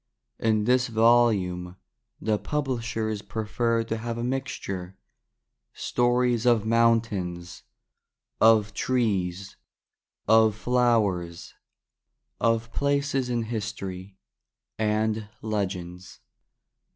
In this volume the Publishers prefer to have a mixture — stories of Mountains, of Trees, of Flowers, of Places in History, and Legends.